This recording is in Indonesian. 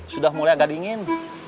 sudah mulai agak dingin